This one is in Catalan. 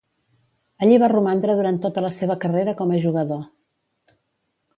Allí va romandre durant tota la seva carrera com a jugador.